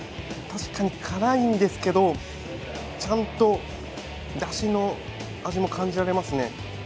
確かに辛いんですけどちゃんとだしの味も感じられますね。